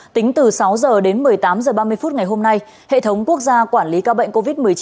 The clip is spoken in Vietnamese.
tính từ sáu h đến một mươi tám h ba mươi phút ngày hôm nay hệ thống quốc gia quản lý ca bệnh covid một mươi chín